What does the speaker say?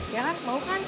ya kan mau kan